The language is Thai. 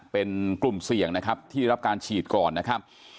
เป็นกลุ่มเสี่ยงนะครับที่รับการฉีดก่อนนะครับ